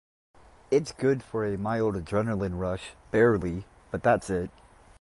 It's good for a mild adrenaline rush - barely - but that's it.